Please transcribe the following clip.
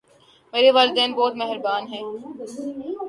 میرے والدین بہت مہربان ہیں